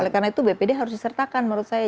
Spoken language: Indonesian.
karena itu bpd harus disertakan menurut saya